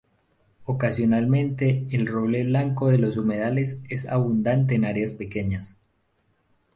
Ocasionalmente el roble blanco de los humedales es abundante en áreas pequeñas.